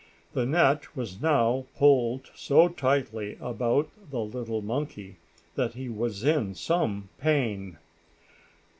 The net was now pulled so tightly about the little monkey, that he was in some pain.